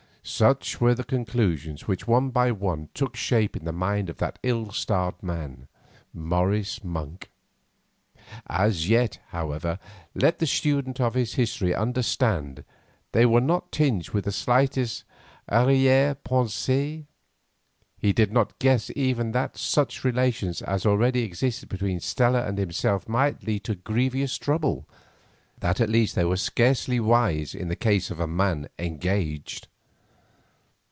Such were the conclusions which one by one took shape in the mind of that ill starred man, Morris Monk. As yet, however, let the student of his history understand, they were not tinged with the slightest "arrière pensée." He did not guess even that such relations as already existed between Stella and himself might lead to grievous trouble; that at least they were scarcely wise in the case of a man engaged.